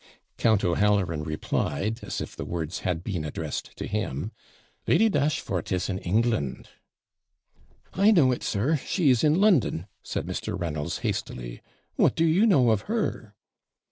Count O'Halloran replied, as if the words had been addressed to him 'Lady Dashfort is in England.' 'I know it, sir; she is in London,' said Mr. Reynolds, hastily. 'What do you know of her?'